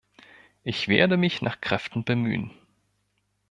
Ich werde mich nach Kräften bemühen.